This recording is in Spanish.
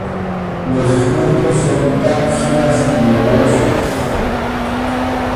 Los frutos son cápsulas globosas.